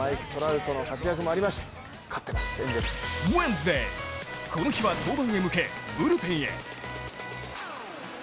ウェンズデー、この日は登板へ向け、ブルペンへ。